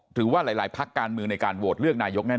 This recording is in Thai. หรือว่าหลายพักการเมืองในการโหวตเลือกนายกแน่